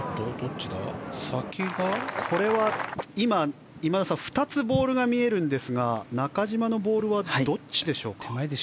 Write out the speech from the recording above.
これは今田さん２つボールが見えますが中島のボールはどっちでしょうか。